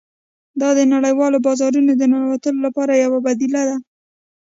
دا د نړیوالو بازارونو د ننوتلو لپاره یو بدیل دی